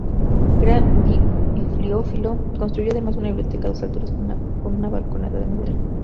Gran bibliófilo, construyó además una biblioteca a dos alturas con una balconada de madera.